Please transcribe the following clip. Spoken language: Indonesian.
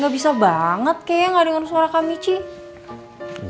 gak bisa banget kayaknya gak denger suara kak michi